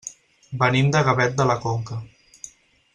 Venim de Gavet de la Conca.